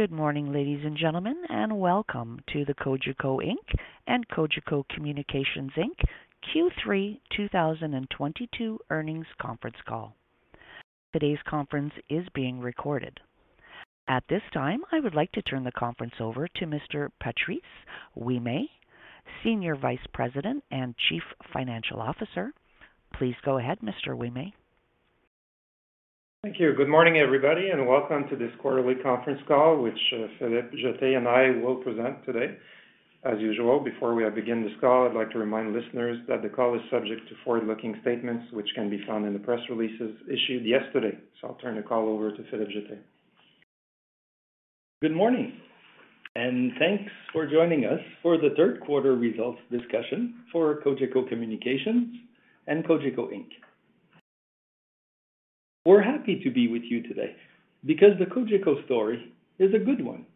Good morning, ladies and gentlemen, and welcome to the Cogeco Inc. and Cogeco Communications Inc. Q3 2022 Earnings Conference Call. Today's conference is being recorded. At this time, I would like to turn the conference over to Mr. Patrice Ouimet, Senior Vice President and Chief Financial Officer. Please go ahead, Mr. Ouimet. Thank you. Good morning, everybody, and welcome to this quarterly conference call, which Philippe Jetté and I will present today. As usual, before we begin this call, I'd like to remind listeners that the call is subject to forward-looking statements, which can be found in the press releases issued yesterday. I'll turn the call over to Philippe Jetté. Good morning, and thanks for joining us for the Q3 results discussion for Cogeco Communications and Cogeco Inc. We're happy to be with you today because the Cogeco story is a good one.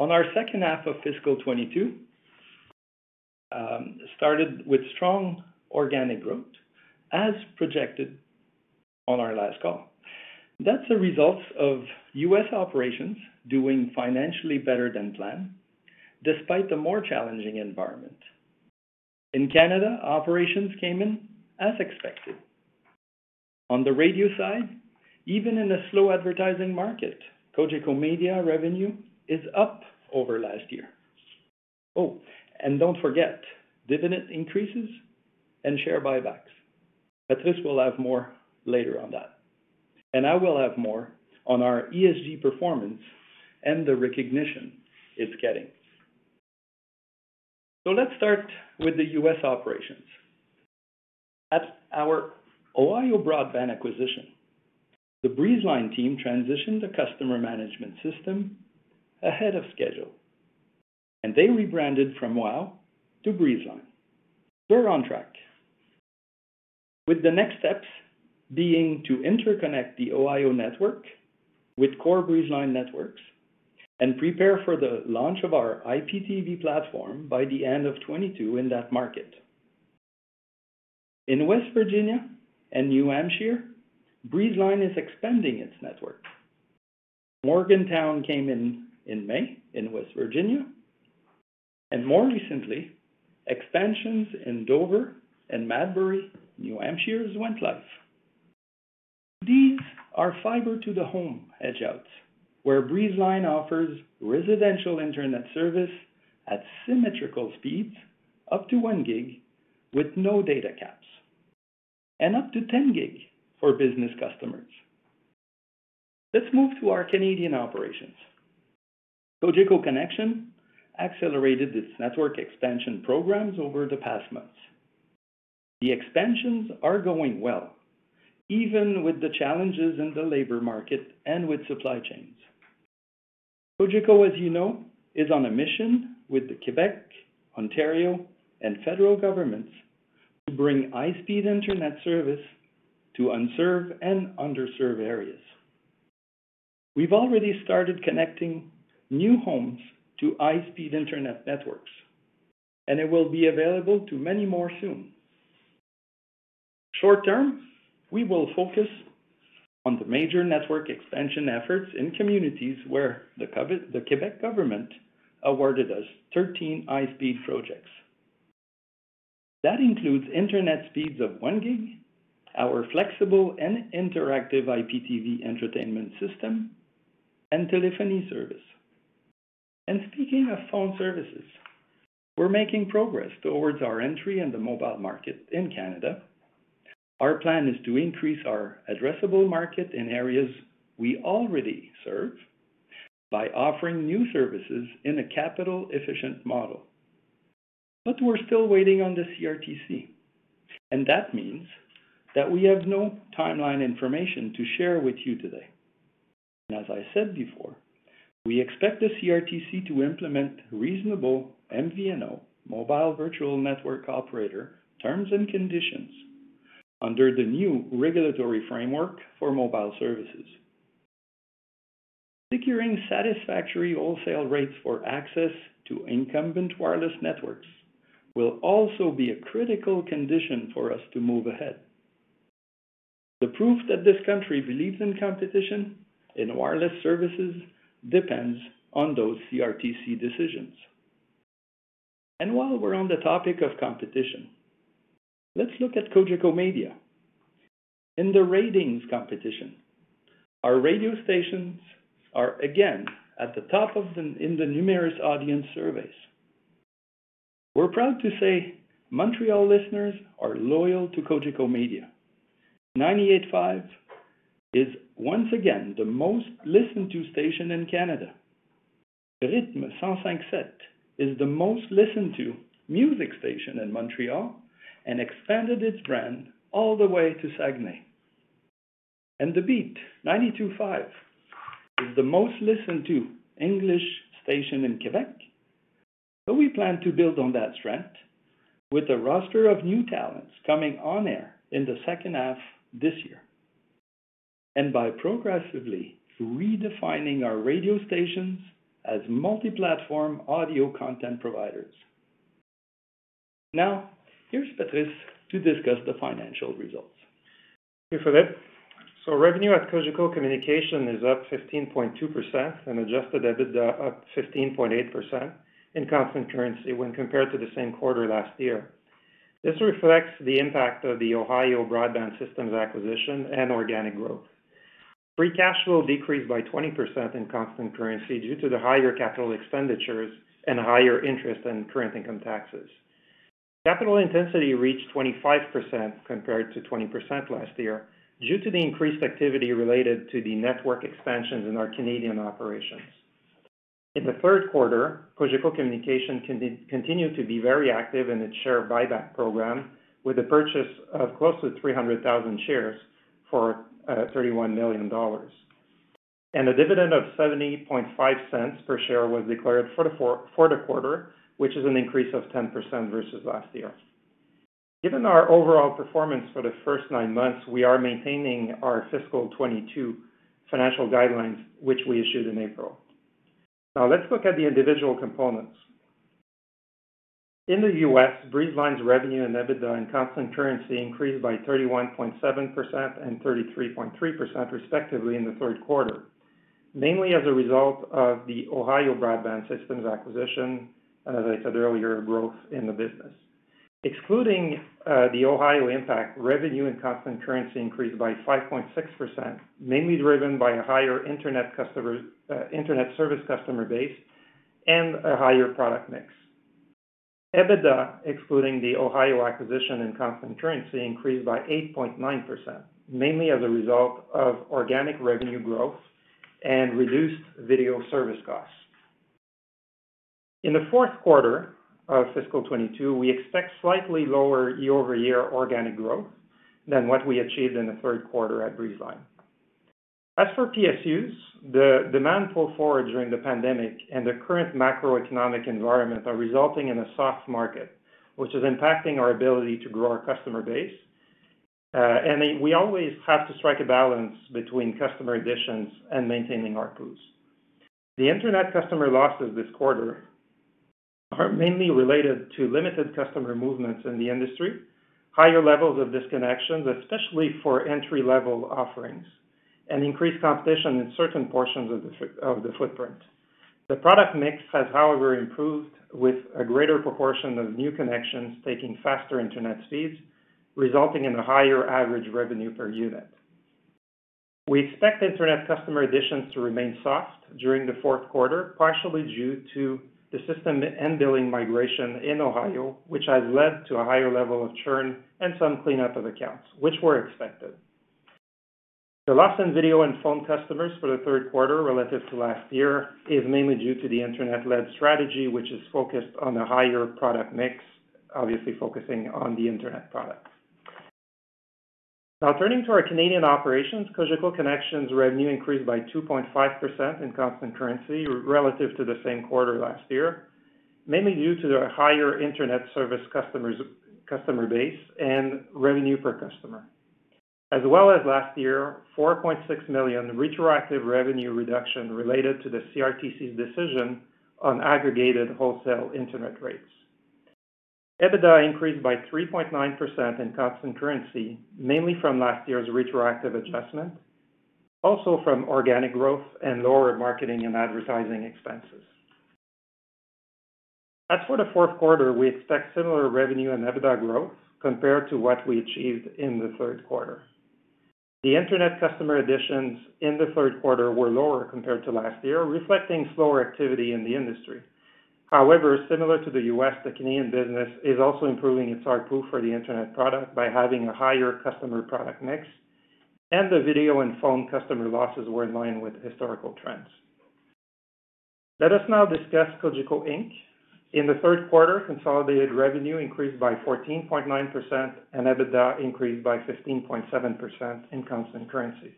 Our Q3 of fiscal 2022 started with strong organic growth as projected on our last call. That's the results of U.S. operations doing financially better than planned, despite the more challenging environment. In Canada, operations came in as expected. On the radio side, even in a slow advertising market, Cogeco Média revenue is up over last year. Oh, and don't forget, dividend increases and share buybacks. Patrice will have more later on that, and I will have more on our ESG performance and the recognition it's getting. Let's start with the U.S. operations. At our Ohio broadband acquisition, the Breezeline team transitioned the customer management system ahead of schedule, and they rebranded from WOW to Breezeline. We're on track. With the next steps being to interconnect the Ohio network with core Breezeline networks and prepare for the launch of our IPTV platform by the end of 2022 in that market. In West Virginia and New Hampshire, Breezeline is expanding its network. Morgantown came in in May in West Virginia, and more recently, expansions in Dover and Madbury, New Hampshire, went live. These are fiber to the home edge outs, where Breezeline offers residential internet service at symmetrical speeds, up to 1 gig with no data caps, and up to 10 gig for business customers. Let's move to our Canadian operations. Cogeco Connexion accelerated its network expansion programs over the past months. The expansions are going well, even with the challenges in the labor market and with supply chains. Cogeco, as you know, is on a mission with the Québec, Ontario, and federal governments to bring high-speed internet service to unserved and underserved areas. We've already started connecting new homes to high-speed internet networks, and it will be available to many more soon. Short-term, we will focus on the major network expansion efforts in communities where the Québec government awarded us 13 high-speed projects. That includes internet speeds of one gig, our flexible and interactive IPTV entertainment system, and telephony service. Speaking of phone services, we're making progress towards our entry in the mobile market in Canada. Our plan is to increase our addressable market in areas we already serve by offering new services in a capital-efficient model. We're still waiting on the CRTC, and that means that we have no timeline information to share with you today. As I said before, we expect the CRTC to implement reasonable MVNO, mobile virtual network operator, terms and conditions under the new regulatory framework for mobile services. Securing satisfactory wholesale rates for access to incumbent wireless networks will also be a critical condition for us to move ahead. The proof that this country believes in competition in wireless services depends on those CRTC decisions. While we're on the topic of competition, let's look at Cogeco Média. In the ratings competition, our radio stations are again at the top in the numerous audience surveys. We're proud to say Montreal listeners are loyal to Cogeco Média. 98.5 is once again the most listened to station in Canada. Rythme 105.7 is the most listened to music station in Montreal and expanded its brand all the way to Saguenay. The Beat 92.5 is the most listened to English station in Quebec. We plan to build on that strength with a roster of new talents coming on air in the H2 this year, and by progressively redefining our radio stations as multi-platform audio content providers. Now here's Patrice to discuss the financial results. Thank you, Philippe. Revenue at Cogeco Communications is up 15.2% and adjusted EBITDA up 15.8% in constant currency when compared to the same quarter last year. This reflects the impact of the Ohio broadband systems acquisition and organic growth. Free cash flow decreased by 20% in constant currency due to the higher capital expenditures and higher interest and current income taxes. Capital intensity reached 25% compared to 20% last year due to the increased activity related to the network expansions in our Canadian operations. In the Q3, Cogeco Communications continued to be very active in its share buyback program with the purchase of close to 300,000 shares for 31 million dollars. A dividend of 0.705 per share was declared for the quarter, which is an increase of 10% versus last year. Given our overall performance for the first nine months, we are maintaining our fiscal 2022 financial guidelines, which we issued in April. Now let's look at the individual components. In the US, Breezeline's revenue and EBITDA in constant currency increased by 31.7% and 33.3% respectively in the Q3. Mainly as a result of the Ohio broadband systems acquisition, as I said earlier, growth in the business. Excluding the Ohio impact, revenue in constant currency increased by 5.6%, mainly driven by a higher internet service customer base and a higher product mix. EBITDA, excluding the Ohio acquisition and constant currency, increased by 8.9%, mainly as a result of organic revenue growth and reduced video service costs. In the Q4 of fiscal 2022, we expect slightly lower year-over-year organic growth than what we achieved in the Q3 at Breezeline. As for PSU, the demand pulls forward during the pandemic and the current macroeconomic environment are resulting in a soft market, which is impacting our ability to grow our customer base. We always have to strike a balance between customer additions and maintaining ARPU. The internet customer losses this quarter are mainly related to limited customer movements in the industry, higher levels of disconnections, especially for entry-level offerings, and increased competition in certain portions of the footprint. The product mix has, however, improved, with a greater proportion of new connections taking faster internet speeds, resulting in a higher average revenue per unit. We expect internet customer additions to remain soft during the Q4, partially due to the system and billing migration in Ohio, which has led to a higher level of churn and some cleanup of accounts, which were expected. The loss in video and phone customers for the Q3 relative to last year is mainly due to the internet-led strategy, which is focused on a higher product mix, obviously focusing on the internet products. Now, turning to our Canadian operations, Cogeco Connexion revenue increased by 2.5% in constant currency relative to the same quarter last year, mainly due to the higher internet service customers, customer base and revenue per customer. As well as last year, 4.6 million retroactive revenue reduction related to the CRTC's decision on aggregated wholesale internet rates. EBITDA increased by 3.9% in constant currency, mainly from last year's retroactive adjustment, also from organic growth and lower marketing and advertising expenses. As for the Q4, we expect similar revenue and EBITDA growth compared to what we achieved in the Q3. The internet customer additions in the Q3 were lower compared to last year, reflecting slower activity in the industry. However, similar to the U.S., the Canadian business is also improving its ARPU for the internet product by having a higher customer product mix, and the video and phone customer losses were in line with historical trends. Let us now discuss Cogeco Inc. In the Q3, consolidated revenue increased by 14.9%, and EBITDA increased by 15.7% in constant currency.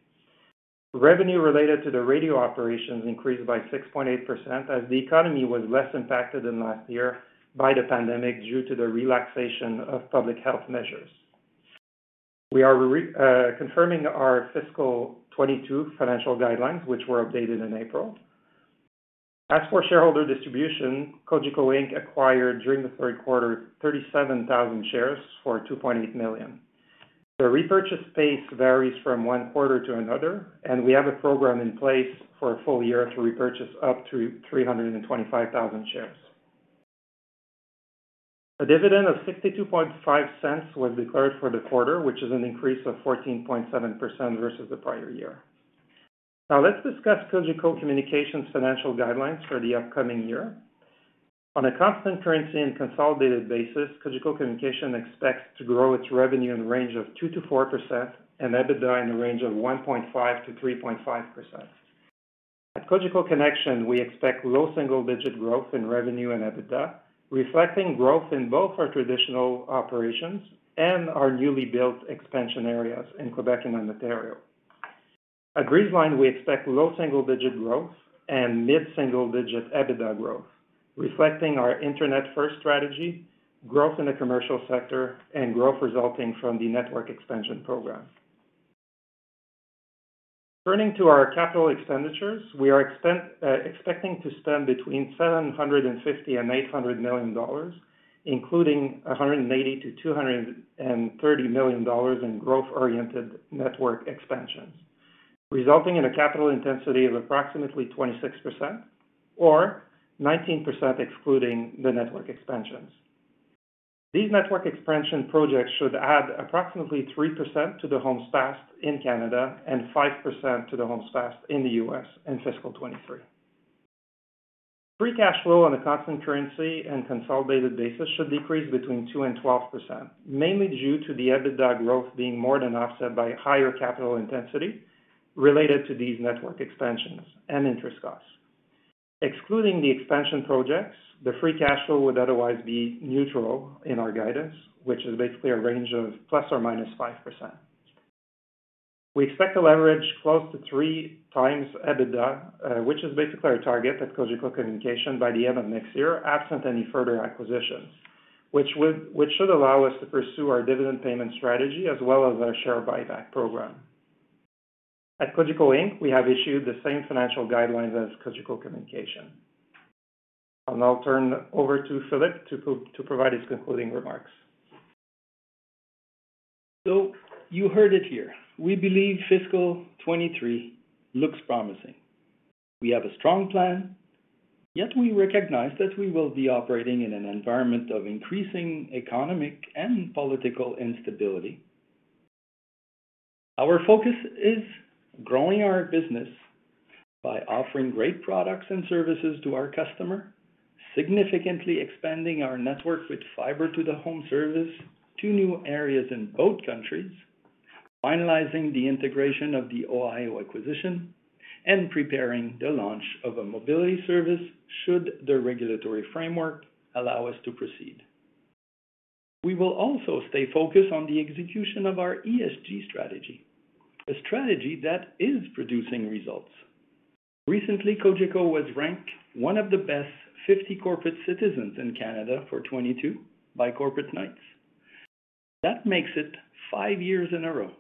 Revenue related to the radio operations increased by 6.8% as the economy was less impacted than last year by the pandemic due to the relaxation of public health measures. We are confirming our fiscal 2022 financial guidelines, which were updated in April. As for shareholder distribution, Cogeco Inc. acquired during the Q3 37,000 shares for 2.8 million. The repurchase pace varies from one quarter to another, and we have a program in place for a full year to repurchase up to 325,000 shares. A dividend of 0.625 was declared for the quarter, which is an increase of 14.7% versus the prior year. Now let's discuss Cogeco Communications' financial guidelines for the upcoming year. On a constant currency and consolidated basis, Cogeco Communications expects to grow its revenue in the range of 2%-4% and EBITDA in the range of 1.5%-3.5%. At Cogeco Connexion, we expect low single-digit growth in revenue and EBITDA, reflecting growth in both our traditional operations and our newly built expansion areas in Quebec and Ontario. At Breezeline, we expect low single-digit growth and mid-single-digit EBITDA growth, reflecting our internet first strategy, growth in the commercial sector, and growth resulting from the network expansion program. Turning to our capital expenditures, we are expecting to spend between 750 million and 800 million dollars, including 180 million to 230 million dollars in growth-oriented network expansions, resulting in a capital intensity of approximately 26% or 19% excluding the network expansions. These network expansion projects should add approximately 3% to the homes passed in Canada and 5% to the homes passed in the US in fiscal 2023. Free cash flow on a constant currency and consolidated basis should decrease between 2% and 12%, mainly due to the EBITDA growth being more than offset by higher capital intensity related to these network expansions and interest costs. Excluding the expansion projects, the free cash flow would otherwise be neutral in our guidance, which is basically a range of ±5%. We expect to leverage close to 3x EBITDA, which is basically our target at Cogeco Communications by the end of next year, absent any further acquisitions, which should allow us to pursue our dividend payment strategy as well as our share buyback program. At Cogeco Inc., we have issued the same financial guidelines as Cogeco Communications. I'll now turn over to Philippe to provide his concluding remarks. You heard it here. We believe fiscal 2023 looks promising. We have a strong plan, yet we recognize that we will be operating in an environment of increasing economic and political instability. Our focus is growing our business by offering great products and services to our customer, significantly expanding our network with fiber to the home service to new areas in both countries, finalizing the integration of the Ohio acquisition, and preparing the launch of a mobility service should the regulatory framework allow us to proceed. We will also stay focused on the execution of our ESG strategy, a strategy that is producing results. Recently, Cogeco was ranked one of the best 50 corporate citizens in Canada for 2022 by Corporate Knights. That makes it five years in a row.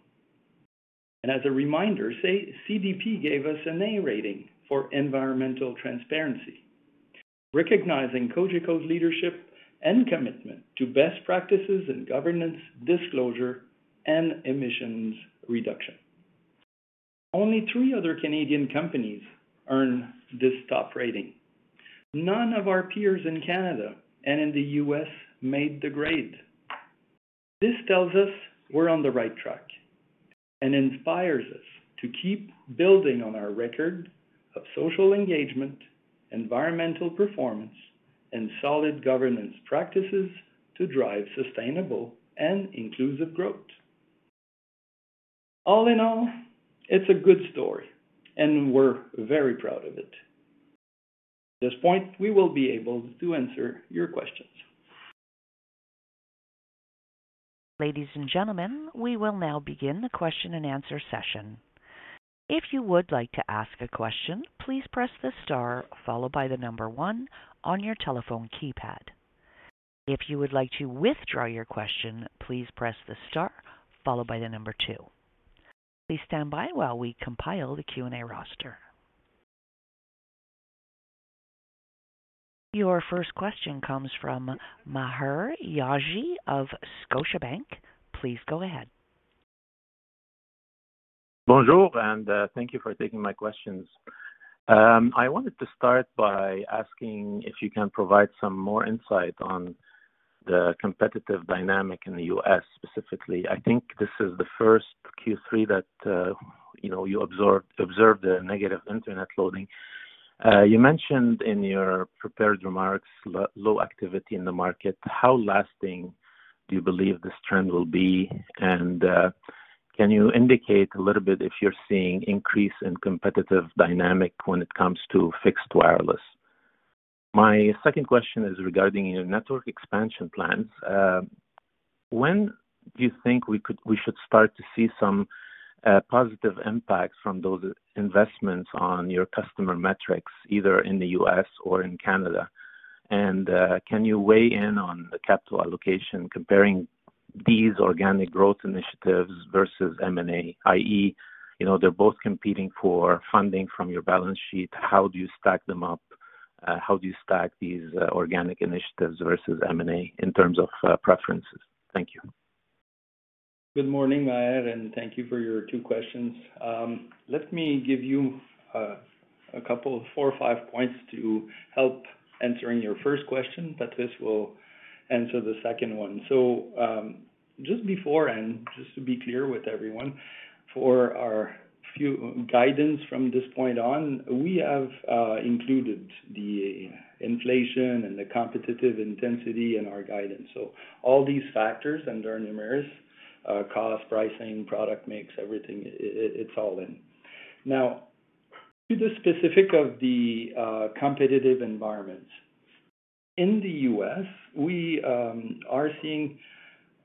As a reminder, say, CDP gave us an A rating for environmental transparency, recognizing Cogeco's leadership and commitment to best practices in governance, disclosure, and emissions reduction. Only three other Canadian companies earn this top rating. None of our peers in Canada and in the U.S. made the grade. This tells us we're on the right track and inspires us to keep building on our record of social engagement, environmental performance, and solid governance practices to drive sustainable and inclusive growth. All in all, it's a good story, and we're very proud of it. At this point, we will be able to answer your questions. Ladies and gentlemen, we will now begin the question-and-answer session. If you would like to ask a question, please press the star followed by the number one on your telephone keypad. If you would like to withdraw your question, please press the star followed by the number two. Please stand by while we compile the Q&A roster. Your first question comes from Maher Yaghi of Scotiabank. Please go ahead. Bonjour, thank you for taking my questions. I wanted to start by asking if you can provide some more insight on the competitive dynamic in the US specifically. I think this is the first Q3 that you observed a negative internet loading. You mentioned in your prepared remarks low activity in the market. How lasting do you believe this trend will be? Can you indicate a little bit if you're seeing increase in competitive dynamic when it comes to fixed wireless? My second question is regarding your network expansion plans. When do you think we should start to see some positive impacts from those investments on your customer metrics, either in the US or in Canada? Can you weigh in on the capital allocation comparing these organic growth initiatives versus M&A, i.e., you know, they're both competing for funding from your balance sheet, how do you stack them up? How do you stack these organic initiatives versus M&A in terms of preferences? Thank you. Good morning, Maher Yaghi, and thank you for your two questions. Let me give you a couple of four or five points to help answering your first question, but this will answer the second one. Just before and just to be clear with everyone, for our FY guidance from this point on, we have included the inflation and the competitive intensity in our guidance. All these factors, and they are numerous, cost, pricing, product mix, everything, it's all in. Now, to the specifics of the competitive environment. In the U.S., we are seeing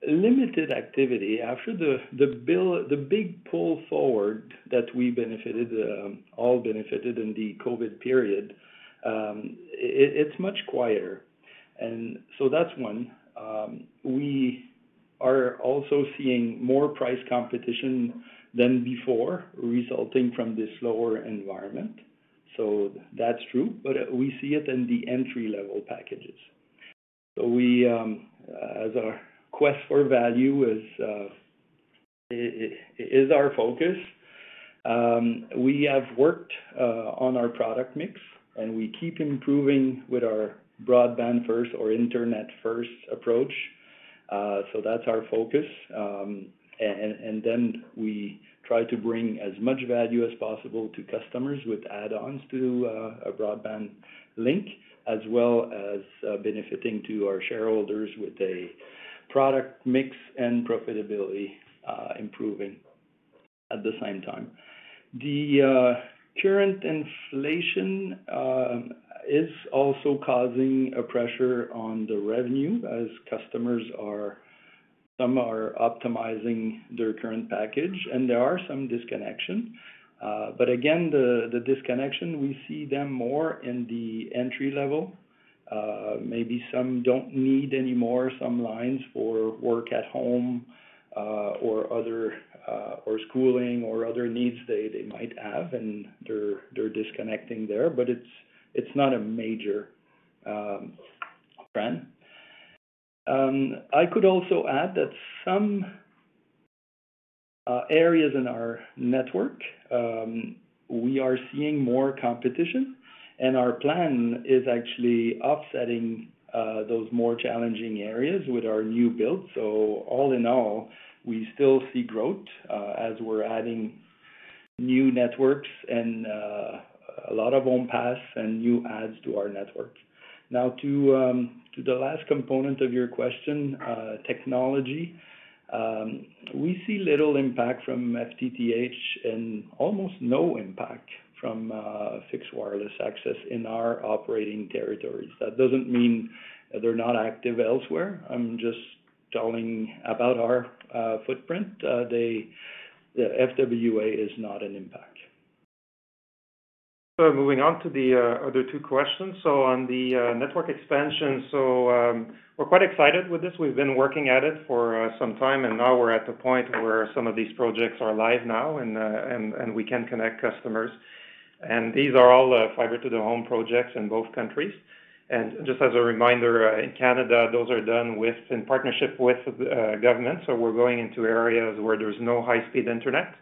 limited activity. After the big pull forward that we all benefited in the COVID period, it's much quieter. That's one. We are also seeing more price competition than before, resulting from this lower environment. That's true, but we see it in the entry-level packages. As our quest for value is our focus, we have worked on our product mix, and we keep improving with our broadband-first or internet-first approach. That's our focus. We try to bring as much value as possible to customers with add-ons to a broadband link, as well as benefiting to our shareholders with a product mix and profitability improving at the same time. Current inflation is also causing a pressure on the revenue as some customers are optimizing their current package and there are some disconnections. The disconnections, we see them more in the entry-level. Maybe some don't need anymore some lines for work at home, or other, or schooling or other needs they might have, and they're disconnecting there. It's not a major trend. I could also add that some areas in our network, we are seeing more competition, and our plan is actually offsetting those more challenging areas with our new build. All in all, we still see growth as we're adding new networks and a lot of own paths and new adds to our network. Now, to the last component of your question, technology. We see little impact from FTTH and almost no impact from fixed wireless access in our operating territories. That doesn't mean they're not active elsewhere. I'm just talking about our footprint. The FWA is not an impact. Moving on to the other two questions. On the network expansion, we're quite excited with this. We've been working at it for some time, and now we're at the point where some of these projects are live now and we can connect customers. These are all fiber to the home projects in both countries. Just as a reminder, in Canada, those are done in partnership with government. We're going into areas where there's no high-speed internet.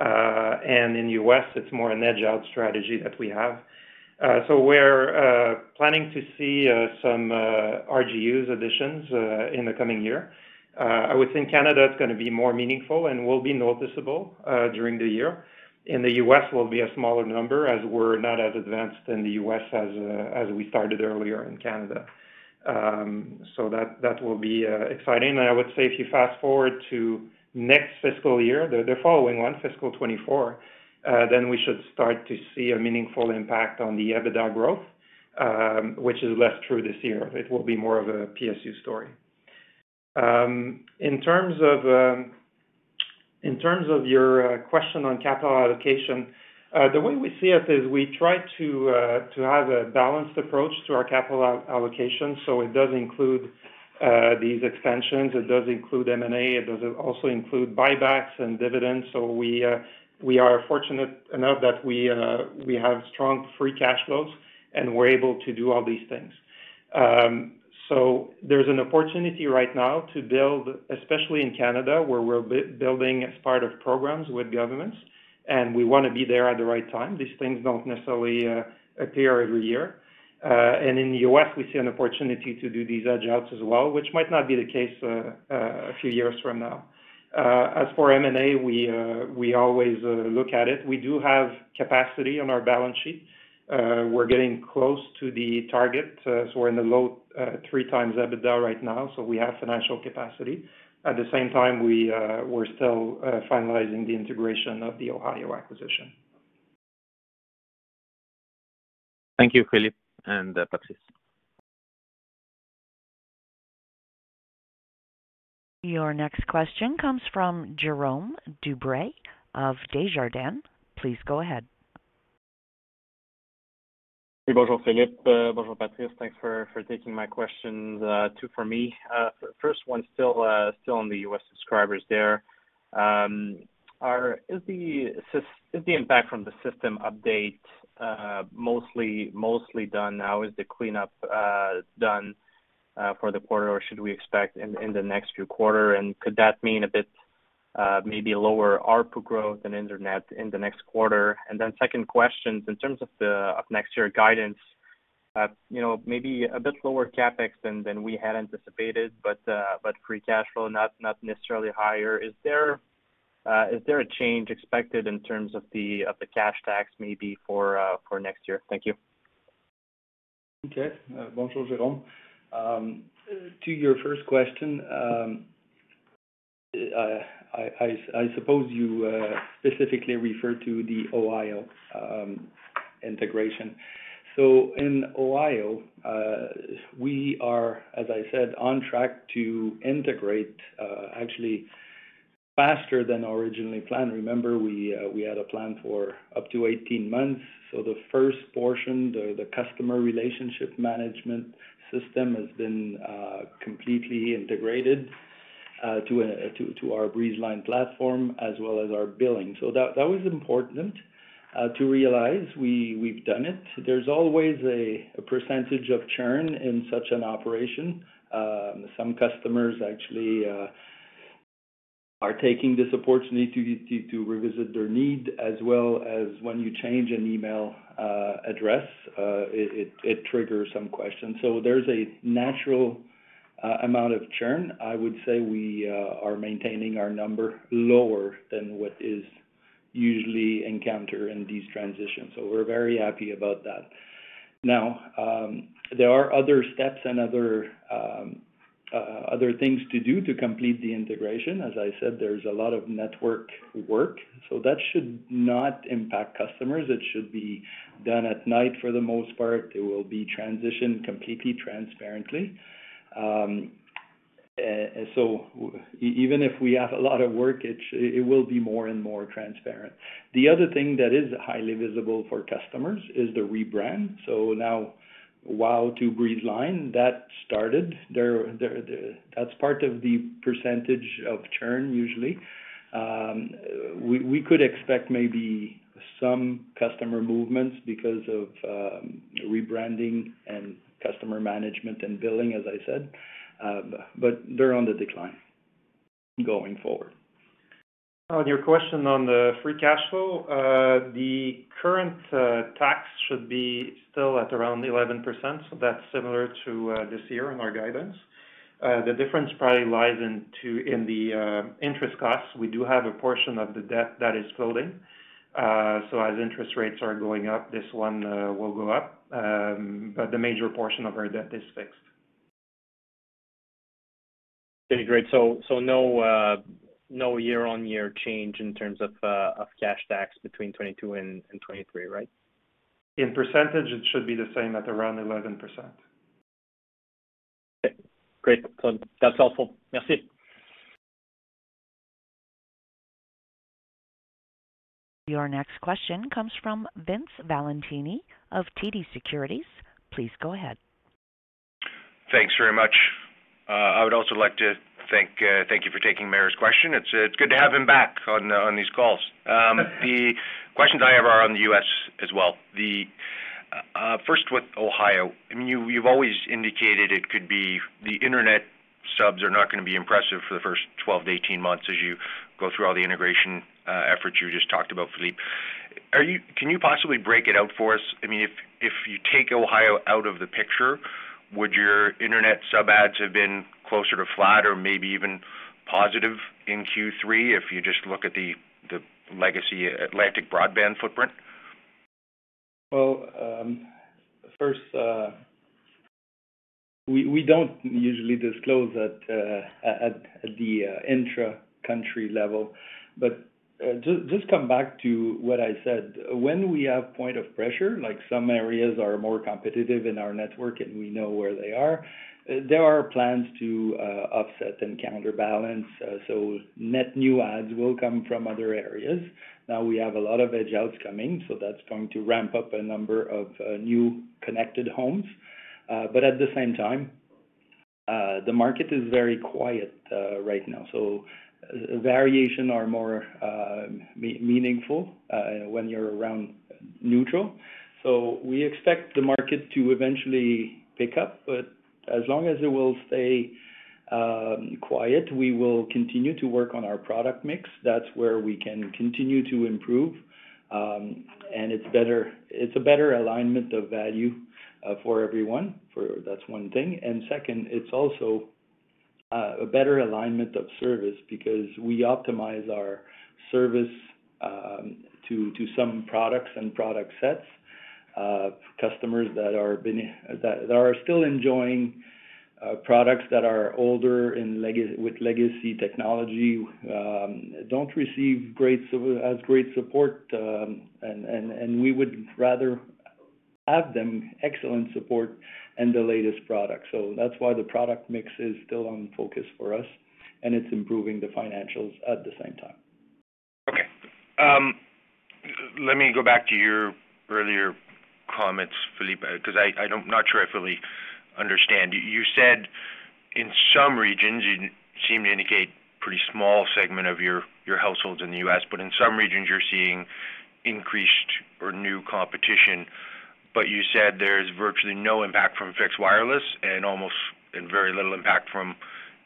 In U.S., it's more an edge-out strategy that we have. We're planning to see some RGU additions in the coming year. I would think Canada is gonna be more meaningful and will be noticeable during the year. In the U.S. will be a smaller number as we're not as advanced in the U.S. as we started earlier in Canada. That will be exciting. I would say if you fast-forward to next fiscal year, the following one, fiscal 2024, then we should start to see a meaningful impact on the EBITDA growth, which is less true this year. It will be more of a PSU story. In terms of your question on capital allocation, the way we see it is we try to have a balanced approach to our capital allocation. It does include these extensions, it does include M&A, it also include buybacks and dividends. We are fortunate enough that we have strong free cash flows, and we're able to do all these things. There's an opportunity right now to build, especially in Canada, where we're building as part of programs with governments, and we wanna be there at the right time. These things don't necessarily appear every year. In the U.S., we see an opportunity to do these edge-outs as well, which might not be the case a few years from now. As for M&A, we always look at it. We do have capacity on our balance sheet. We're getting close to the target, so we're in the low 3x EBITDA right now, so we have financial capacity. At the same time, we're still finalizing the integration of the Ohio acquisition. Thank you, Philippe and Patrice. Your next question comes from Jerome Dubreuil of Desjardins. Please go ahead. Hey, bonjour, Philippe. Bonjour, Patrice. Thanks for taking my questions. Two for me. First one still on the U.S. subscribers there. Is the impact from the system update mostly done now? Is the cleanup done for the quarter, or should we expect in the next few quarter? Could that mean a bit maybe lower ARPU growth and internet in the next quarter? Then second question, in terms of next year guidance, you know, maybe a bit lower CapEx than we had anticipated, but free cash flow not necessarily higher. Is there a change expected in terms of the cash tax maybe for next year? Thank you. Okay. Bonjour, Jerome. To your first question, I suppose you specifically refer to the Ohio integration. In Ohio, we are, as I said, on track to integrate, actually Faster than originally planned. Remember, we had a plan for up to 18 months. The first portion, the customer relationship management system has been completely integrated to our Breezeline platform as well as our billing. That was important to realize we have done it. There's always a percentage of churn in such an operation. Some customers actually are taking this opportunity to revisit their need, as well as when you change an email address, it triggers some questions. There's a natural amount of churn. I would say we are maintaining our number lower than what is usually encountered in these transitions. We're very happy about that. Now, there are other steps and other things to do to complete the integration. As I said, there's a lot of network work, so that should not impact customers. It should be done at night for the most part. It will be transitioned completely transparently. Even if we have a lot of work, it will be more and more transparent. The other thing that is highly visible for customers is the rebrand. Now WOW! to Breezeline, that started. That's part of the percentage of churn usually. We could expect maybe some customer movements because of rebranding and customer management and billing, as I said, but they're on the decline going forward. On your question on the free cash flow, the current tax should be still at around 11%. That's similar to this year in our guidance. The difference probably lies in the interest costs. We do have a portion of the debt that is floating. As interest rates are going up, this one will go up. The major portion of our debt is fixed. Great. No year-on-year change in terms of cash tax between 2022 and 2023, right? In percentage, it should be the same at around 11%. Okay, great. That's helpful. Merci. Your next question comes from Vince Valentini of TD Securities. Please go ahead. Thanks very much. I would also like to thank you for taking Maher's question. It's good to have him back on these calls. The questions I have are on the US as well. First with Ohio. I mean, you've always indicated it could be the internet subs are not gonna be impressive for the first 12-18 months as you go through all the integration efforts you just talked about, Philippe. Can you possibly break it out for us? I mean, if you take Ohio out of the picture, would your internet sub adds have been closer to flat or maybe even positive in Q3 if you just look at the legacy Atlantic Broadband footprint? Well, first, we don't usually disclose at the intra-country level. Just come back to what I said. When we have point of pressure, like some areas are more competitive in our network and we know where they are, there are plans to offset and counterbalance. Net new adds will come from other areas. Now, we have a lot of edge outs coming, so that's going to ramp up a number of new connected homes. At the same time, the market is very quiet right now. Variations are more meaningful when you're around neutral. We expect the market to eventually pick up, but as long as it will stay quiet, we will continue to work on our product mix. That's where we can continue to improve. It's better, it's a better alignment of value for everyone. That's one thing. Second, it's also a better alignment of service because we optimize our service to some products and product sets. Customers that are that are still enjoying products that are older with legacy technology don't receive as great support, and we would rather have them excellent support and the latest product. That's why the product mix is still on focus for us, and it's improving the financials at the same time. Okay. Let me go back to your earlier comments, Philippe, 'cause I don't. Not sure I fully understand. You said in some regions, you seemed to indicate pretty small segment of your households in the U.S., but in some regions, you're seeing increased or new competition. But you said there's virtually no impact from fixed wireless and very little impact from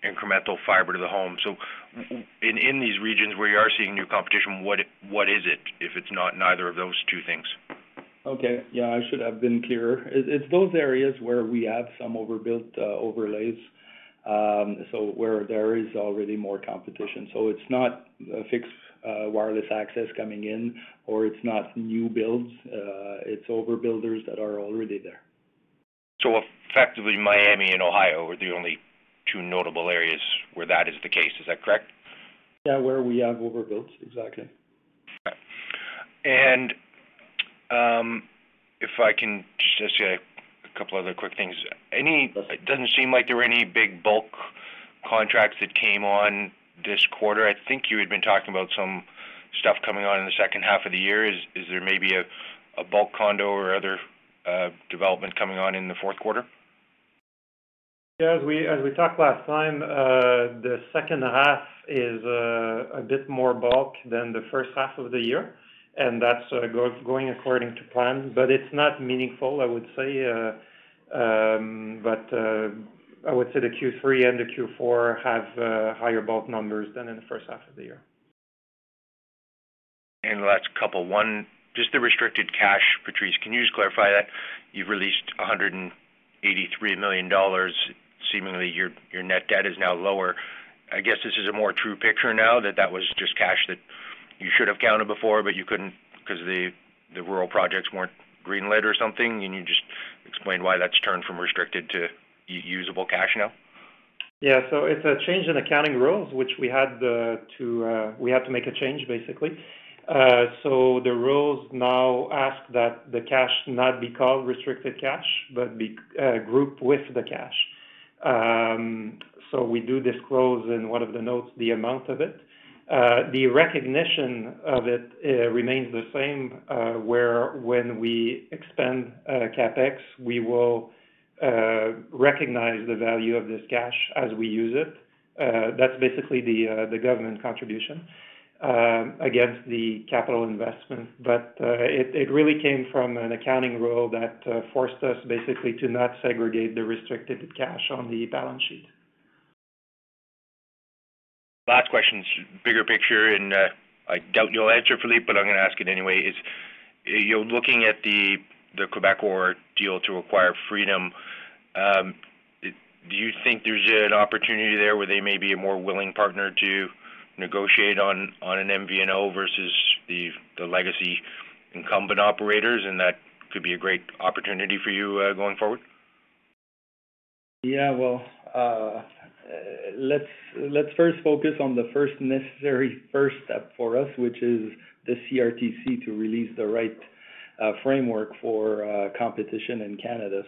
incremental fiber to the home. In these regions where you are seeing new competition, what is it if it's not neither of those two things? Okay. Yeah, I should have been clearer. It's those areas where we have some overbuilt overlays, so where there is already more competition. It's not a fixed wireless access coming in, or it's not new builds. It's overbuilders that are already there. Effectively, Miami and Ohio are the only two notable areas where that is the case. Is that correct? Yeah, where we have overbuilts. Exactly. If I can just say a couple other quick things. It doesn't seem like there were any big bulk contracts that came on this quarter. I think you had been talking about some stuff coming on in the H2 of the year. Is there may be a bulk condo or other development coming on in the Q4? Yeah. As we talked last time, the H2 is a bit more bulge than the H1 of the year, and that's going according to plan, but it's not meaningful, I would say. I would say the Q3 and the Q4 have higher bulge numbers than in the H1 of the year. In the last couple, one, just the restricted cash, Patrice, can you just clarify that? You've released $183 million. Seemingly, your net debt is now lower. I guess this is a more true picture now that that was just cash that you should have counted before, but you couldn't 'cause the rural projects weren't greenlit or something. Can you just explain why that's turned from restricted to usable cash now? Yeah. It's a change in accounting rules. We had to make a change, basically. The rules now ask that the cash not be called restricted cash, but be grouped with the cash. We do disclose in one of the notes the amount of it. The recognition of it remains the same, where when we expend CapEx, we will recognize the value of this cash as we use it. That's basically the government contribution against the capital investment. It really came from an accounting rule that forced us basically to not segregate the restricted cash on the balance sheet. Last question is bigger picture, and I doubt you'll answer, Philippe, but I'm going to ask it anyway. You're looking at the Quebecor deal to acquire Freedom. Do you think there's an opportunity there where they may be a more willing partner to negotiate on an MVNO versus the legacy incumbent operators, and that could be a great opportunity for you going forward? Yeah. Well, let's first focus on the first necessary step for us, which is the CRTC to release the right framework for competition in Canada.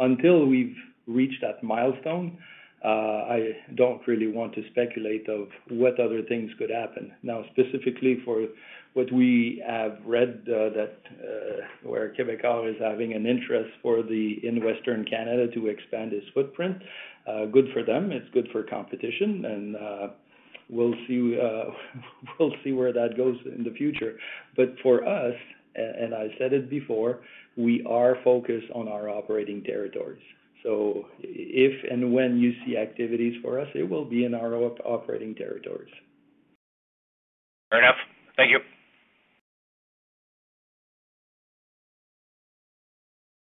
Until we've reached that milestone, I don't really want to speculate of what other things could happen. Now, specifically for what we have read, that where Quebecor is having an interest for in Western Canada to expand its footprint, good for them. It's good for competition, and we'll see where that goes in the future. For us, and I've said it before, we are focused on our operating territories. If and when you see activities for us, it will be in our operating territories. Fair enough. Thank you.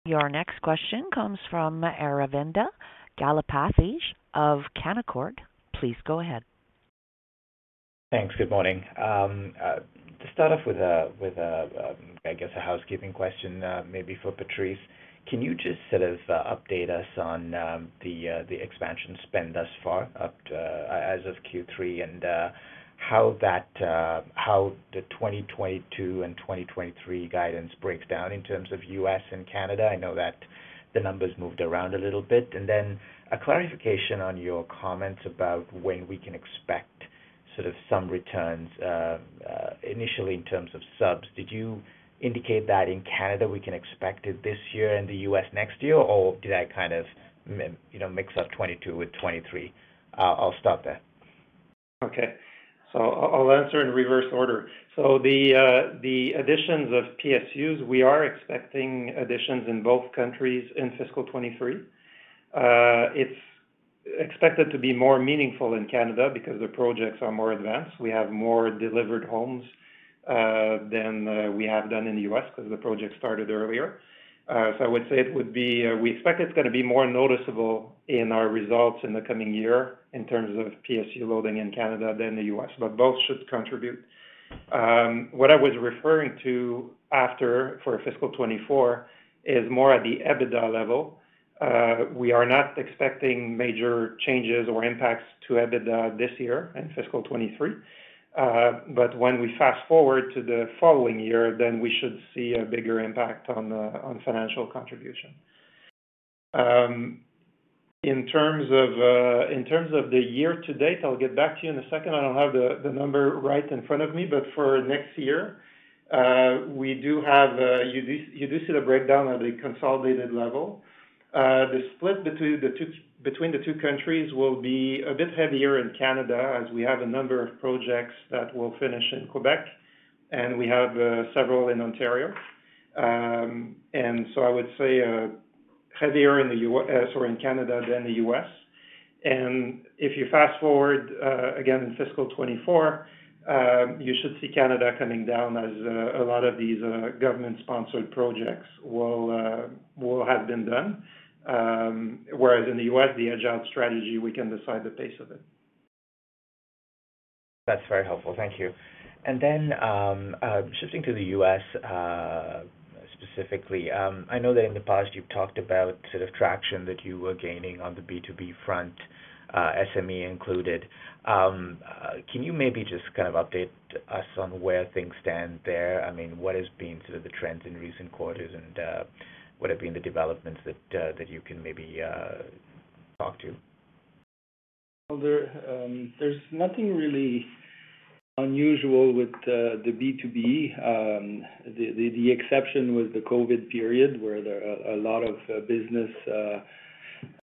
Your next question comes from Aravinda Galappatthige of Canaccord. Please go ahead. Thanks. Good morning. To start off with a housekeeping question, maybe for Patrice. Can you just sort of update us on the expansion spend thus far up to as of Q3, and how the 2022 and 2023 guidance breaks down in terms of U.S. and Canada? I know that the numbers moved around a little bit. A clarification on your comments about when we can expect sort of some returns initially in terms of subs. Did you indicate that in Canada we can expect it this year and the U.S. next year, or did I kind of, you know, mix up 2022 with 2023? I'll stop there. Okay. I'll answer in reverse order. The additions of PSU, we are expecting additions in both countries in fiscal 2023. It's expected to be more meaningful in Canada because the projects are more advanced. We have more delivered homes than we have done in the U.S. because the project started earlier. I would say we expect it's gonna be more noticeable in our results in the coming year in terms of PSU loading in Canada than the U.S., but both should contribute. What I was referring to after for fiscal 2024 is more at the EBITDA level. We are not expecting major changes or impacts to EBITDA this year in fiscal 2023. When we fast-forward to the following year, we should see a bigger impact on financial contribution. In terms of the year to date, I'll get back to you in a second. I don't have the number right in front of me. For next year, we do have you do see the breakdown at a consolidated level. The split between the two countries will be a bit heavier in Canada as we have a number of projects that will finish in Quebec, and we have several in Ontario. I would say heavier in Canada than the U.S. If you fast-forward again in fiscal 2024, you should see Canada coming down as a lot of these government-sponsored projects will have been done. Whereas in the U.S., the agile strategy, we can decide the pace of it. That's very helpful. Thank you. Shifting to the U.S., specifically, I know that in the past you've talked about sort of traction that you were gaining on the B2B front, SME included. Can you maybe just kind of update us on where things stand there? I mean, what has been sort of the trends in recent quarters, and what have been the developments that that you can maybe talk to? Well, there's nothing really unusual with the B2B. The exception was the COVID period, where a lot of business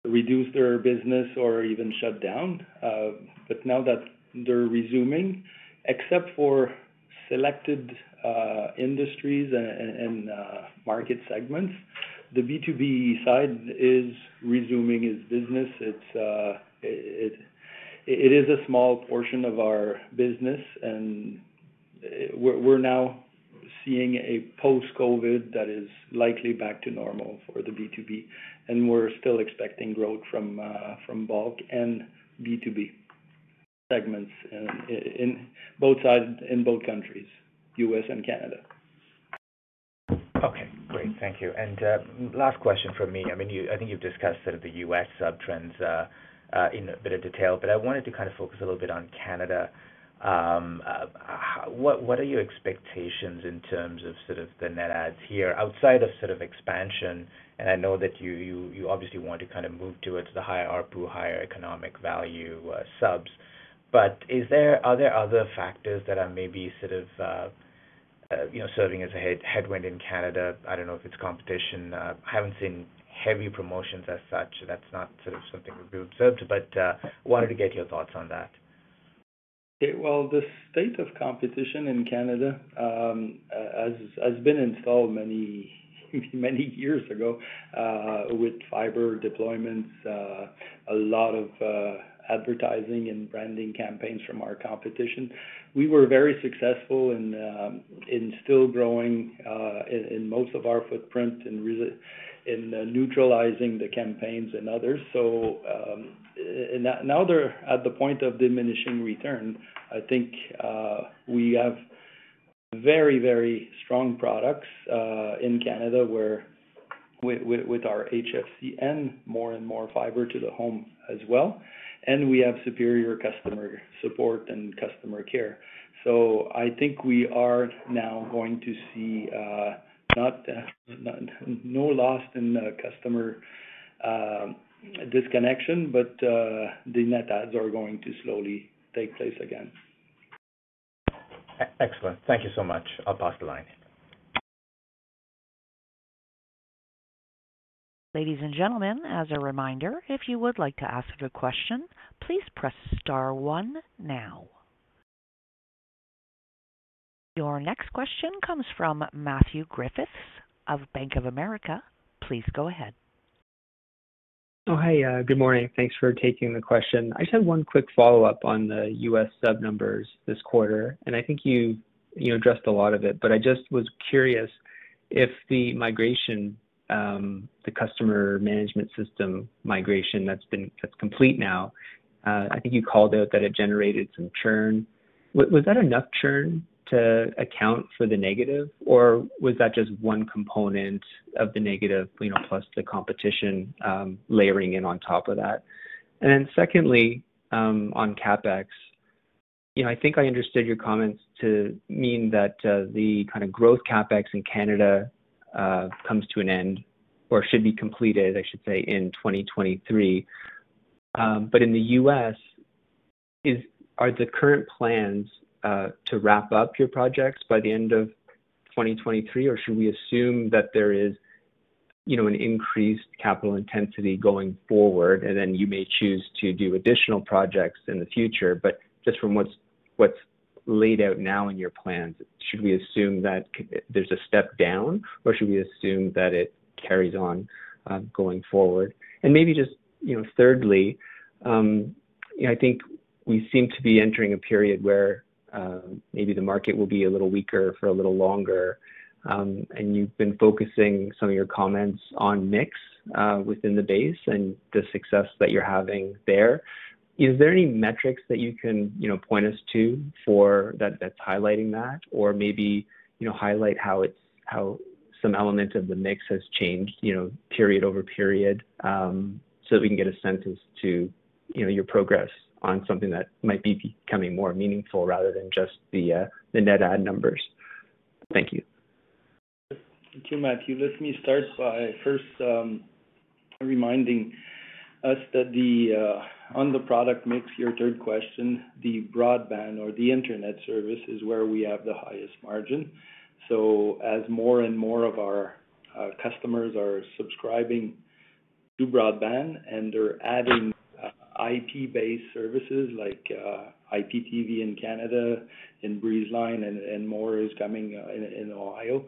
reduced their business or even shut down. Now that they're resuming, except for selected industries and market segments, the B2B side is resuming its business. It is a small portion of our business and we're now seeing a post-COVID that is likely back to normal for the B2B, and we're still expecting growth from bulk and B2B segments in both sides, in both countries, U.S. and Canada. Okay, great. Thank you. Last question from me. I mean, I think you've discussed sort of the U.S. sub-trends in a bit of detail, but I wanted to kind of focus a little bit on Canada. What are your expectations in terms of sort of the net adds here outside of sort of expansion? I know that you obviously want to kind of move towards the higher ARPU, higher economic value subs. But are there other factors that are maybe sort of you know serving as a headwind in Canada? I don't know if it's competition. I haven't seen heavy promotions as such. That's not sort of something we've observed, but wanted to get your thoughts on that. The state of competition in Canada has been intense for many years with fiber deployments, a lot of advertising and branding campaigns from our competition. We were very successful in still growing in most of our footprint and in neutralizing the campaigns and others. Now they are at the point of diminishing return. I think we have very strong products in Canada with our HFC and more and more fiber to the home as well, and we have superior customer support and customer care. I think we are now going to see no loss in customer disconnection, but the net adds are going to slowly take place again. Excellent. Thank you so much. I'll pass the line. Ladies and gentlemen, as a reminder, if you would like to ask a question, please press star one now. Your next question comes from Matthew Griffiths of Bank of America. Please go ahead. Oh, hey. Good morning. Thanks for taking the question. I just had one quick follow-up on the US sub numbers this quarter, and I think you addressed a lot of it, but I just was curious if the migration, the customer management system migration that's complete now, I think you called out that it generated some churn. Was that enough churn to account for the negative, or was that just one component of the negative, you know, plus the competition layering in on top of that? Secondly, on CapEx, you know, I think I understood your comments to mean that the kind of growth CapEx in Canada comes to an end or should be completed, I should say, in 2023. In the US, is Are the current plans to wrap up your projects by the end of 2023, or should we assume that there is, you know, an increased capital intensity going forward, and then you may choose to do additional projects in the future? Just from what's laid out now in your plans, should we assume that there's a step down, or should we assume that it carries on going forward? Maybe just, you know, thirdly, you know, I think we seem to be entering a period where maybe the market will be a little weaker for a little longer. You've been focusing some of your comments on mix within the base and the success that you're having there. Is there any metrics that you can, you know, point us to for that that's highlighting that? Maybe, you know, highlight how some elements of the mix has changed, you know, period over period, so we can get a sense as to, you know, your progress on something that might be becoming more meaningful rather than just the net add numbers. Thank you. Thank you. Matthew. Let me start by first reminding us that the on the product mix, your third question, the broadband or the internet service is where we have the highest margin. As more and more of our customers are subscribing to broadband and they're adding IP-based services like IPTV in Canada, and Breezeline and more is coming in Ohio,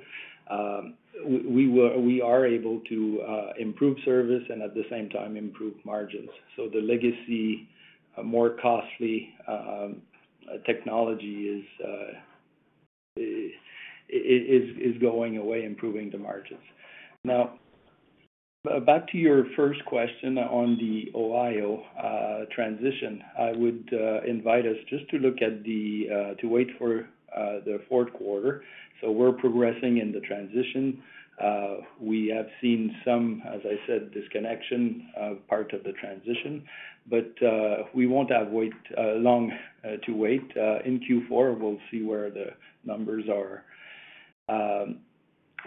we are able to improve service and at the same time improve margins. The legacy, more costly technology is going away, improving the margins. Now Back to your first question on the Ohio transition. I would invite us just to wait for the Q4. We're progressing in the transition. We have seen some, as I said, disconnections part of the transition, but we won't have to wait long. In Q4, we'll see where the numbers are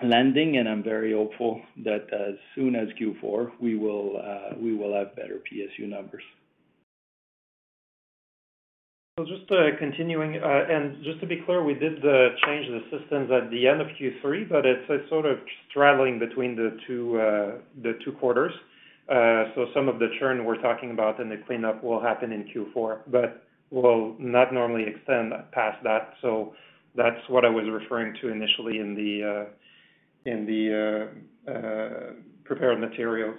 landing, and I'm very hopeful that as soon as Q4, we will have better PSU numbers. Just continuing, and just to be clear, we did change the systems at the end of Q3, but it's sort of straddling between the two quarters. Some of the churn we're talking about in the cleanup will happen in Q4 but will not normally extend past that. That's what I was referring to initially in the prepared materials.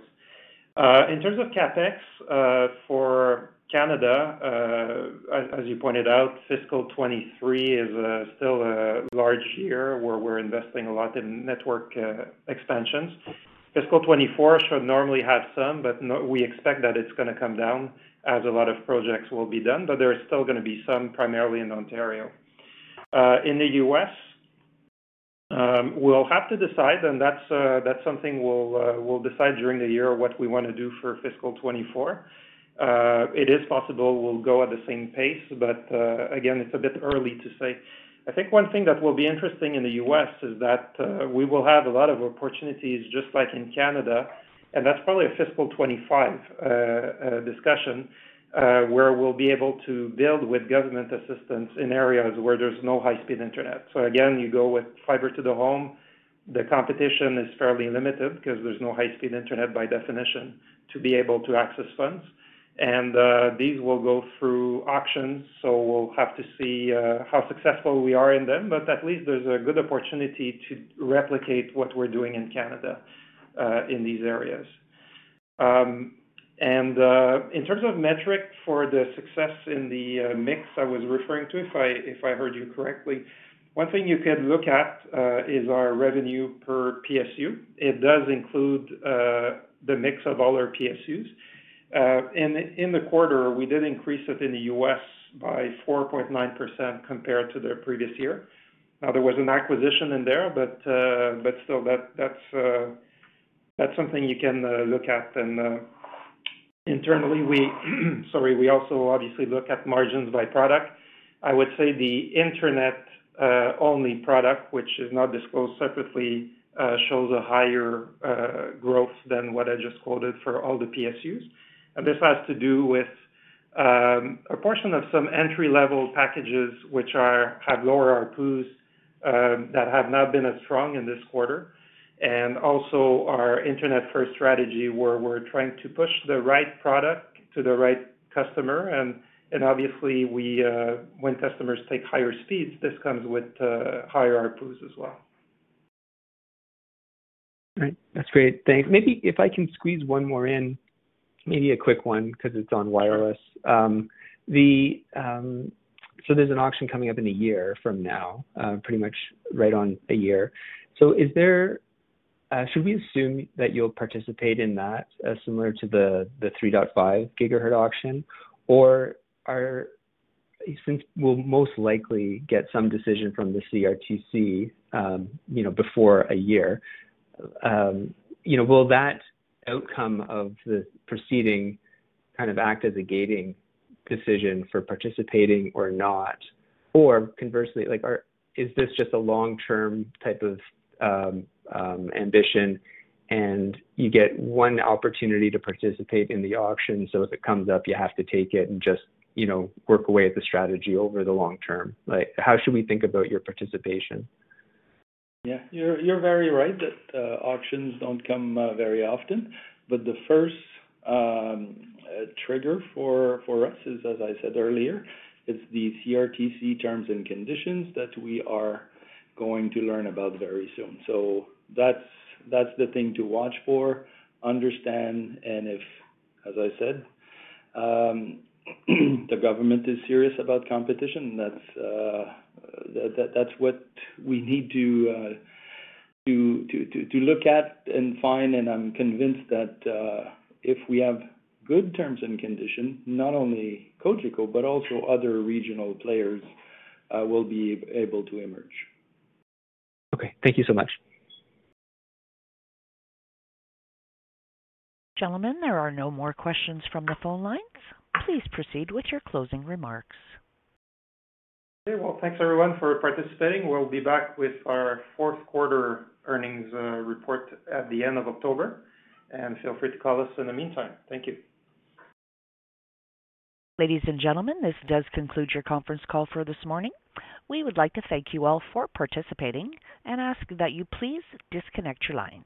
In terms of CapEx for Canada, as you pointed out, fiscal 2023 is still a large year where we're investing a lot in network expansions. Fiscal 2024 should normally have some, we expect that it's gonna come down as a lot of projects will be done, but there is still gonna be some, primarily in Ontario. In the US, we'll have to decide, and that's something we'll decide during the year what we wanna do for fiscal 2024. It is possible we'll go at the same pace, but again, it's a bit early to say. I think one thing that will be interesting in the US is that, we will have a lot of opportunities just like in Canada, and that's probably a fiscal 2025 discussion, where we'll be able to build with government assistance in areas where there's no high-speed internet. Again, you go with fiber to the home. The competition is fairly limited because there's no high-speed internet by definition to be able to access funds. These will go through auctions, so we'll have to see, how successful we are in them. At least there's a good opportunity to replicate what we're doing in Canada, in these areas. In terms of metric for the success in the mix I was referring to, if I heard you correctly, one thing you could look at is our revenue per PSU. It does include the mix of all our PSU. In the quarter, we did increase it in the U.S. by 4.9% compared to the previous year. Now, there was an acquisition in there, but still that's something you can look at. Internally, sorry, we also obviously look at margins by product. I would say the internet only product, which is not disclosed separately, shows a higher growth than what I just quoted for all the PSU. This has to do with a portion of some entry-level packages which are have lower ARPU that have not been as strong in this quarter. Also our internet-first strategy, where we're trying to push the right product to the right customer. Obviously, when customers take higher speeds, this comes with higher ARPUs as well. Right. That's great. Thanks. Maybe if I can squeeze one more in, maybe a quick one because it's on wireless. There's an auction coming up in a year from now, pretty much right on a year. Is there, should we assume that you'll participate in that, similar to the 3.5 GHz auction? Or are, since we'll most likely get some decision from the CRTC, you know, before a year, you know, will that outcome of the proceeding kind of act as a gating decision for participating or not? Or conversely, like, are, is this just a long-term type of ambition and you get one opportunity to participate in the auction so if it comes up you have to take it and just, you know, work away at the strategy over the long term? Like, how should we think about your participation? Yeah. You're very right that auctions don't come very often. The first trigger for us is, as I said earlier, the CRTC terms and conditions that we are going to learn about very soon. That's the thing to watch for, understand, and if, as I said, the government is serious about competition, that's what we need to look at and find. I'm convinced that, if we have good terms and conditions, not only Cogeco, but also other regional players, will be able to emerge. Okay. Thank you so much. Gentlemen, there are no more questions from the phone lines. Please proceed with your closing remarks. Okay. Well, thanks everyone for participating. We'll be back with our Q4 earnings report at the end of October, and feel free to call us in the meantime. Thank you. Ladies and gentlemen, this does conclude your conference call for this morning. We would like to thank you all for participating and ask that you please disconnect your lines.